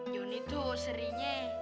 juni tuh seri nye